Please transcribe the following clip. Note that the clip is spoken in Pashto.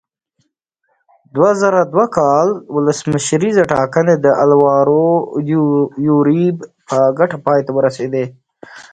دوه زره دوه کال ولسمشریزې ټاکنې د الوارو یوریب په ګټه پای ته ورسېدې.